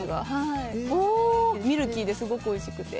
ミルキーですごくおいしくて。